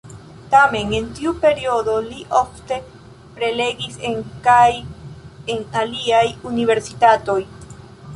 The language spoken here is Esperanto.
Tamen en tiu periodo li ofte prelegis en kaj en aliaj universitatoj.